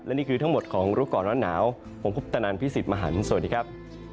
นี่คือทั้งหมดของรู้ก่อนร้อนหนาวผมคุปตนันพี่สิทธิ์มหันฯสวัสดีครับ